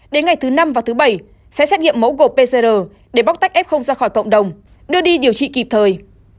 đến ngày thứ năm và thứ bảy sẽ xét nghiệm mẫu gộp pcr để bóc tách f ra khỏi cộng đồng đưa đi điều trị kịp thời